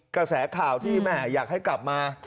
กระแสข่าวที่แม่อยากให้กลับมา